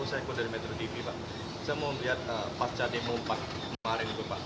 saya mau melihat parca demo empat kemarin juga pak